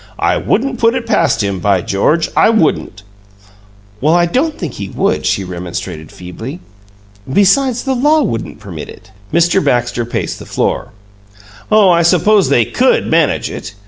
I wouldn't put it past him! By George, I wouldn't!" "Oh, I don't think he would," she remonstrated, feebly. "Besides, the law wouldn't permit it." Mr. Baxter paced the floor. "Oh, I suppose they COULD manage it.